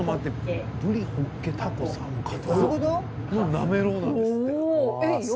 なめろうなんですって！